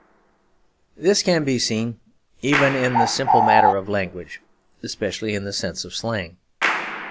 This can be seen even in the simple matter of language, especially in the sense of slang.